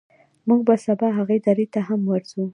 موږ به سبا هغې درې ته هم ورځو.